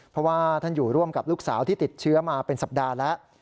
เพราะว่าท่านอยู่ร่วมกับลูกสาวที่ติดเชื้อมาเป็นสัปดาห์แล้ว